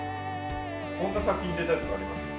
こんな作品出たいとかあります？